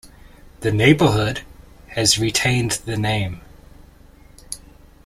The neighbourhood has retained the name.